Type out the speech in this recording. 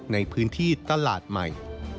ในพื้นที่ตลาดใหม่